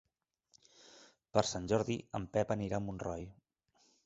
Per Sant Jordi en Pep anirà a Montroi.